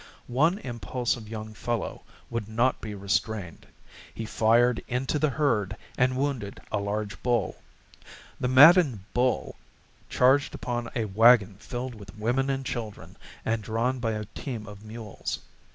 One impulsive young fellow would not be restrained; he fired into the herd and wounded a large bull. The maddened bull charged upon a wagon filled with women and children and drawn by a team of mules.